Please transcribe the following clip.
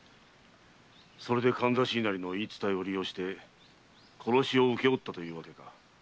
それでかんざし稲荷の言い伝えを利用して殺しを請け負ったというわけか。